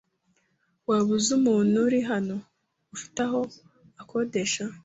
Waba uzi umuntu uri hano ufite aho akodesha?